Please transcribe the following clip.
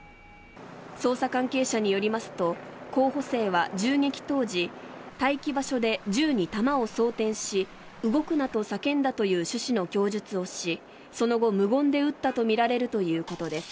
捜査関係者によりますと候補生は銃撃当時待機場所で銃に弾を装てんし動くなと叫んだという趣旨の供述をしその後、無言で撃ったとみられるということです。